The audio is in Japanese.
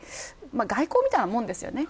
外交みたいなものですよね